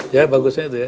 ya bagusnya itu ya